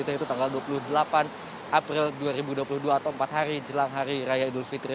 yaitu tanggal dua puluh delapan april dua ribu dua puluh dua atau empat hari jelang hari raya idul fitri